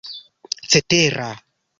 cetera